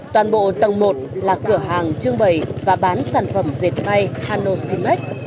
toàn bộ tầng một là cửa hàng trương bày và bán sản phẩm dệt may hanoximex